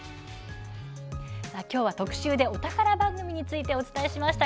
きょうは特集でお宝番組についてお伝えしました。